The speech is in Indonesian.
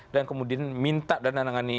dan kemudian minta dana dangani di dpr